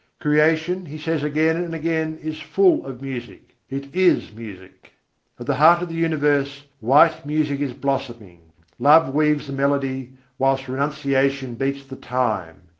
Creation, he says again and again, is full of music: it is music. At the heart of the Universe "white music is blossoming": love weaves the melody, whilst renunciation beats the time.